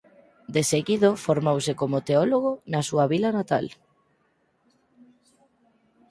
Deseguido formouse como teólogo na súa vila natal.